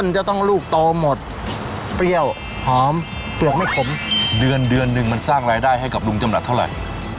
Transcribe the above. ใช้รายได้ให้กับลุงจำหนักเท่าไร